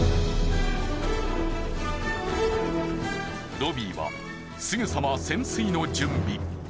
ロビーはすぐさま潜水の準備。